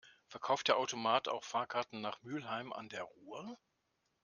Verkauft der Automat auch Fahrkarten nach Mülheim an der Ruhr?